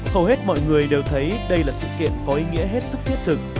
hầu hết mọi người đều thấy đây là sự kiện có ý nghĩa hết sức thiết thực